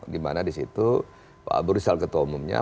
dimana di situ pak abu rizal ketua umumnya